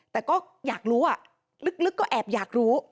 แต่ก็อยากรู้ลึกก็แอบอยากรู้